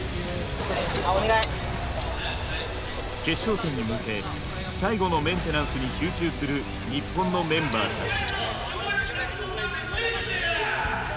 決勝戦に向け最後のメンテナンスに集中する日本のメンバーたち。